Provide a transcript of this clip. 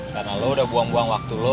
karena lo udah buang buang waktu lo